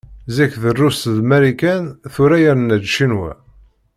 Zik d Rrus d Marikan, tura yerna-d Ccinwa.